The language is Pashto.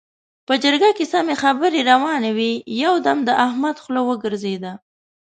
په جرګه کې سمې خبرې روانې وې؛ يو دم د احمد خوله وګرځېده.